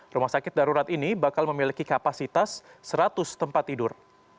rumah sakit darurat ini bakal memiliki kapasitas seratus tempat tidur